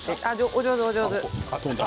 お上手お上手。